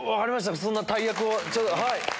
そんな大役を。